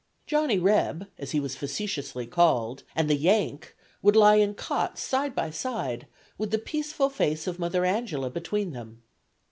"Johnny Reb," as he was facetiously called, and the "Yank" would lie in cots side by side, with the peaceful face of Mother Angela between them.